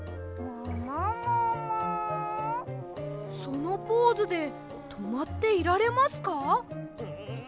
そのポーズでとまっていられますか？